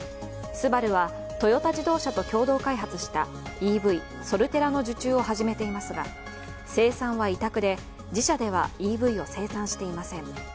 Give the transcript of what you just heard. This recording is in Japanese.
ＳＵＢＡＲＵはトヨタ自動車と共同開発したＥＶ・ソルテラの受注を始めていますが生産は委託で、自社ではＥＶを生産していません。